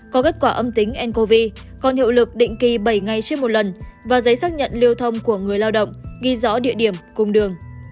có kết quả âm tính ncov còn hiệu lực định kỳ bảy ngày trên một lần và giấy xác nhận lưu thông của người lao động ghi rõ địa điểm cùng đường